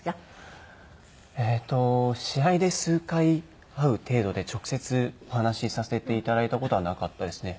えっと試合で数回会う程度で直接お話しさせて頂いた事はなかったですね。